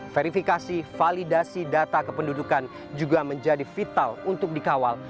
verifikasi validasi data kependudukan juga menjadi vital untuk dikawal